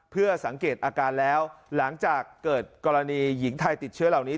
เพื่อสังเกตอาการแล้วหลังจากเกิดกรณีหญิงไทยติดเชื้อเหล่านี้